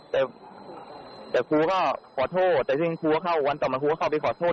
แต่แต่ครูก็ขอโทษแต่ที่ครูเข้าวันต่อมาครูก็เข้าไปขอโทษ